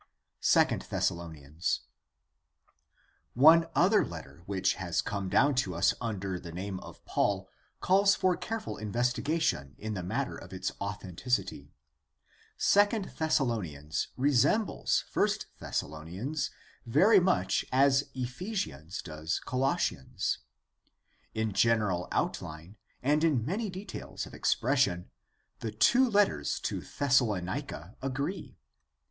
// Thessalonians. — One other letter which has come down to us under the name of Paul calls for careful investiga tion in the matter of its authenticity. II Thessalonians resembles I Thessalonians very much as Ephesians does Colossians. In general outline and in many details of expres sion the two letters to Thessalonica agree.